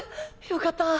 良かった。